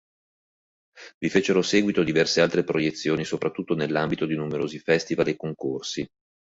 Vi fecero seguito diverse altre proiezioni soprattutto nell'ambito di numerosi festival e concorsi.